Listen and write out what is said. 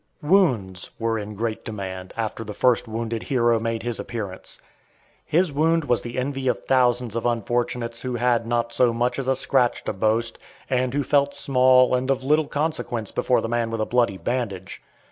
Wounds were in great demand after the first wounded hero made his appearance. His wound was the envy of thousands of unfortunates who had not so much as a scratch to boast, and who felt "small" and of little consequence before the man with a bloody bandage.